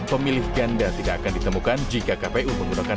pemilih ganda tidak akan ditemukan jika kpu menggunakan